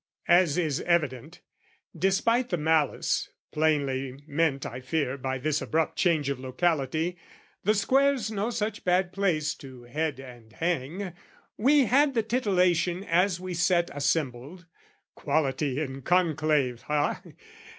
As is evident, "(Despite the malice, plainly meant, I fear, "By this abrupt change of locality, "The Square's no such bad place to head and hang) "We had the titillation as we sat "Assembled, (quality in conclave, ha?)